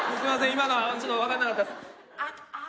今のはちょっと分かんなかったっす。